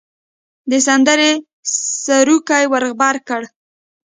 د سندرې سروکی ور غبرګ کړ.